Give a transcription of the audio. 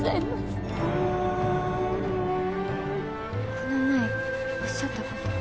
この前おっしゃったこと。